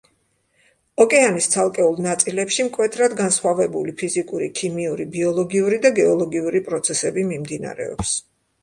ოკეანის ცალკეულ ნაწილებში მკვეთრად განსხვავებული ფიზიკური, ქიმიური, ბიოლოგიური და გეოლოგიური პროცესები მიმდინარეობს.